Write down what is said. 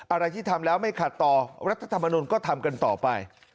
อะไรที่ทำแล้วไม่ขัดต่อรัฐธรรมนุนก็ทำกันต่อไป